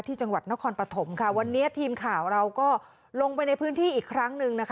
จังหวัดนครปฐมค่ะวันนี้ทีมข่าวเราก็ลงไปในพื้นที่อีกครั้งหนึ่งนะคะ